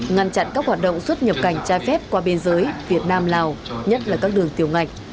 ngăn chặn các hoạt động xuất nhập cảnh trái phép qua biên giới việt nam lào nhất là các đường tiểu ngạch